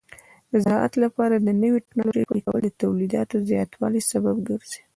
د زراعت لپاره د نوې ټکنالوژۍ پلي کول د تولیداتو زیاتوالي سبب ګرځي.